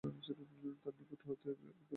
তার নিকট তখন একদল লোক উপস্থিত ছিল।